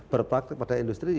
berpraktek pada industri